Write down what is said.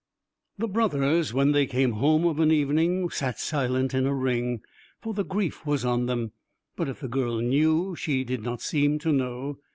The brothers when they came home of an evening sat silent in a ring, for the grief was on them: but if the girl knew she did not seem to know.